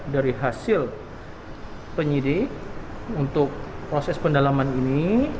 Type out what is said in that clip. dari hasil penyidik untuk proses pendalaman ini